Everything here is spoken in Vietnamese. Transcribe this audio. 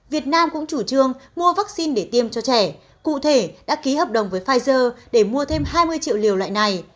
việt nam cũng chủ trương mua vaccine để tiêm cho trẻ cụ thể đã ký hợp đồng với pfizer để mua thêm hai mươi triệu liều loại này